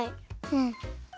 うん。